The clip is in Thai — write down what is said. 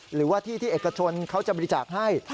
หรือว่าที่ที่เอกชนเขาจะบริจาคให้